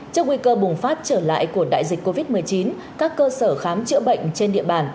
trước nguy cơ bùng phát trở lại của đại dịch covid một mươi chín các cơ sở khám chữa bệnh trên địa bàn